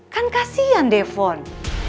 kan kasian depon